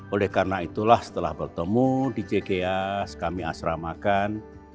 oleh karena itulah setelah bertemu di jk kami asramakan